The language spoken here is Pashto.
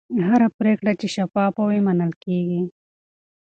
هره پرېکړه چې شفافه وي، منل کېږي.